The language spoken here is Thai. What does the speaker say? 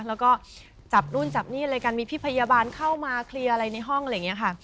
แล้วก็จับนู่นจับนี่อะไรกันมีพี่พยาบาลเข้ามาเคลียร์อะไรในห้องอะไรอย่างนี้ค่ะ